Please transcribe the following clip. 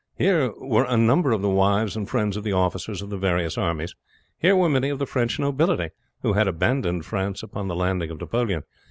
Here were a number of the wives and friends of the officers of the various armies. Here were many of the French nobility, who had abandoned France upon the landing of Napoleon.